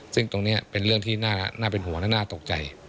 ซึ่งตรงนี้เป็นเรื่องที่น่าเป็นห่วงและน่าตกใจ